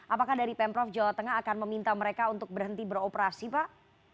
apakah dari pemprov jawa tengah akan meminta mereka untuk berhenti beroperasi pak